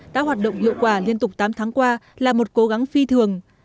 đã hoạt động hiệu quả liên tục tám tháng qua là một cố gắng phi thường